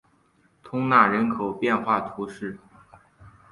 通讷人口变化图示